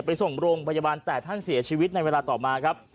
ไปส่งโรงพยาบาลแต่ท่านเสียชีวิตในเวลาต่อมาครับ